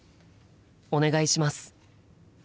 お願いします。